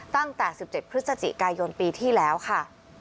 ตั้งแต่๑๗พฤศจิกายนปีที่แล้วค่ะ